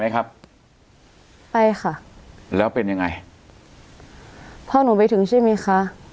ครับไปค่ะแล้วเป็นยังไงพ่อหนูไปถึงใช่ไหมคะ